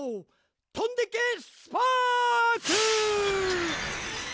とんでけスパーク！